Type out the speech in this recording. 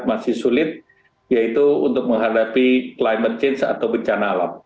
masih sulit yaitu untuk menghadapi climate change atau bencana alam